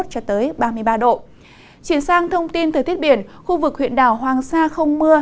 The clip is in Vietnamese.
chuyển sang thông tin từ thiết biển khu vực huyện đảo hoàng sa không mưa